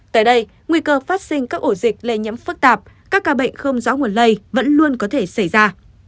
tại đây nguy cơ phát sinh các ổ dịch lây nhiễm phức tạp các ca bệnh không rõ nguồn lây vẫn luôn có thể xảy ra